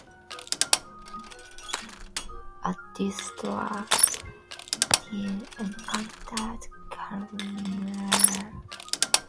At this store, Till encountered Carolyn Bryant and was accused of flirtatious behavior.